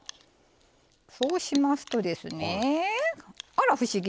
そうしますとですねあら不思議！